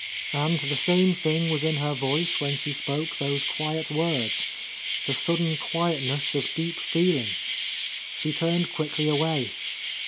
And the same thing was in her voice when she spoke those quiet words, — the sud den quietness of deep feeling. She turned quickly away.